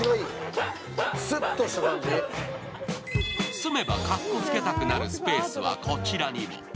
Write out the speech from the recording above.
住めばかっこつけたくなるスペースはこちらにも。